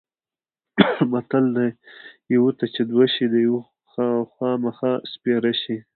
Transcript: متل دی: یوه ته چې دوه شي د یوه خوامخا سپېره شي.